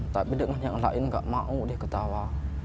tapi dengan yang lain nggak mau dia ketawa